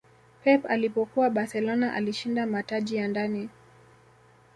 pep alipokuwa barcelona alishinda mataji ya ndani